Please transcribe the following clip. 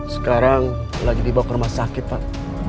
sekarang lagi dibawa ke rumah sakit pak